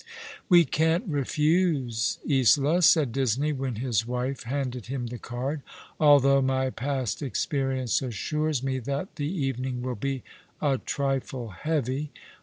"We can't refuse, Isola," said Disney, when his wife handed him the card, " although my past experience assures me that the evening will be a trifle heavy.